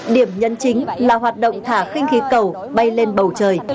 điểm nhân chính là hoạt động thả khinh khí cầu bay lên bầu trời